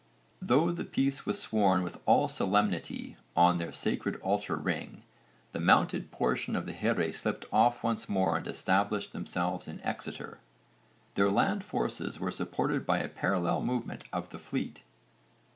Though the peace was sworn with all solemnity on their sacred altar ring, the mounted portion of the here slipped off once more and established themselves in Exeter. Their land forces were supported by a parallel movement of the fleet.